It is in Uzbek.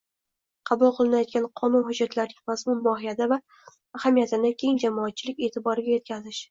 qabul qilinayotgan qonun hujjatlarining mazmun-mohiyati va ahamiyatini keng jamoatchilik e’tiboriga yetkazish